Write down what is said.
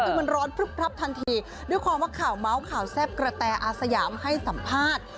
คือมันร้อนพลึบพลับทันทีด้วยความว่าข่าวเมาส์ข่าวแซ่บกระแตอาสยามให้สัมภาษณ์